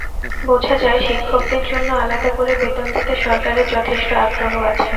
বোঝা যায়, শিক্ষকদের জন্য আলাদা করে বেতন দিতে সরকারের যথেষ্ট আগ্রহ আছে।